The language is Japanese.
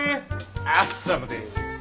アッサムです。